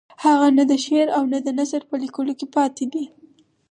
هغه نه د شعر او نه د نثر په لیکلو کې پاتې دی.